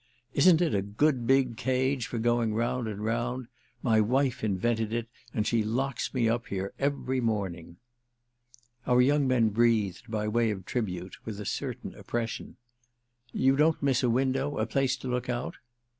"Isn't it a good big cage for going round and round? My wife invented it and she locks me up here every morning." Our young man breathed—by way of tribute—with a certain oppression. "You don't miss a window—a place to look out?"